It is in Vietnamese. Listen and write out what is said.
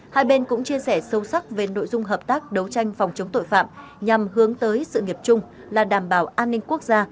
hai bên cũng chia sẻ sâu sắc về nội dung hợp tác đấu tranh phòng chống tội phạm nhằm hướng tới sự nghiệp chung là đảm bảo an ninh quốc gia